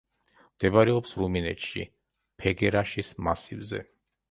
მდებარეობს რუმინეთში, ფეგერაშის მასივზე.